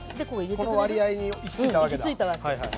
この割合に行き着いたわけだ。